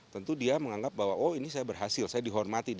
tentu dia menganggap bahwa oh ini saya berhasil saya dihormati